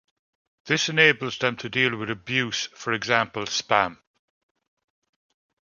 This enables them to deal with abuse, for example spam.